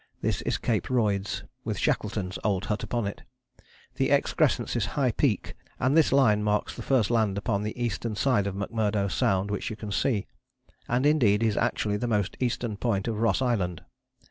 This is Cape Royds, with Shackleton's old hut upon it; the excrescence is High Peak, and this line marks the first land upon the eastern side of McMurdo Sound which you can see, and indeed is actually the most eastern point of Ross Island.